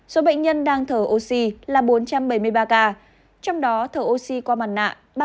số bệnh nhân đang thở oxy là bốn trăm bảy mươi ba ca trong đó thở oxy qua mặt nạ ba trăm tám mươi một ca